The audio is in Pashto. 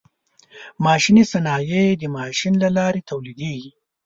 ماشیني صنایع د ماشین له لارې تولیدیږي.